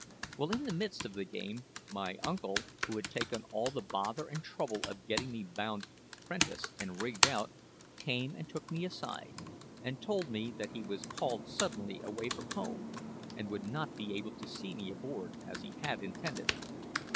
"Well, in the midst of the game, my uncle, who had taken all the bother and trouble of getting me bound 'prentice and rigged out, came and took me aside, and told me that he was called suddenly away from home, and would not be able to see me aboard, as he had intended.